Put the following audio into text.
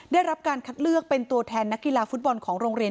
ได้รับการคัดเลือกเป็นตัวแทนนักกีฬาฟุตบอลของโรงเรียน